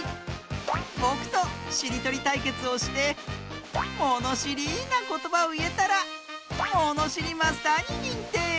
ぼくとしりとりたいけつをしてものしりなことばをいえたらもにしりマスターににんてい！